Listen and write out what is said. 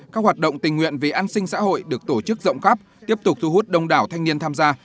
các hoạt động tình nguyện vì an sinh xã hội được tổ chức rộng khắp tiếp tục thu hút đông đảo thanh niên tham gia